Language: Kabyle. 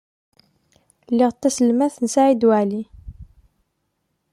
Lliɣ d taselmadt n Saɛid Waɛli.